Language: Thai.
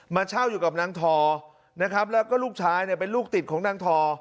เช่าอยู่กับนางทอนะครับแล้วก็ลูกชายเนี่ยเป็นลูกติดของนางทอ